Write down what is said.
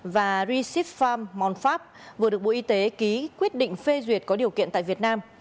và recipfarm montfap vừa được bộ y tế ký quyết định phê duyệt có điều kiện tại việt nam